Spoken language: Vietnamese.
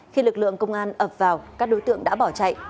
khi lực lượng công an ập vào các đối tượng đã bỏ chạy